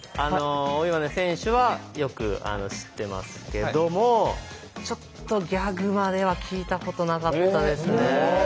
大岩根選手はよく知ってますけどもちょっとギャグまでは聞いたことなかったですね。